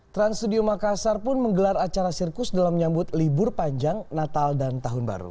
trans studio makassar pun menggelar acara sirkus dalam menyambut libur panjang natal dan tahun baru